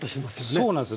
そうなんですよ。